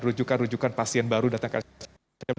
untuk merujukan pasien baru datang ke rscm